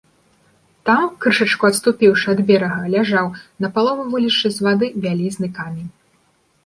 Там, крышачку адступіўшы ад берага, ляжаў, напалову вылезшы з вады, вялізны камень.